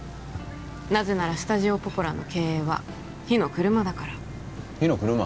なぜならスタジオポポラの経営は火の車だから火の車？